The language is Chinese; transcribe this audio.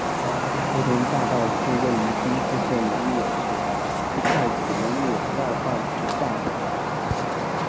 福田匝道是位于兵库县龙野市的太子龙野绕道之匝道。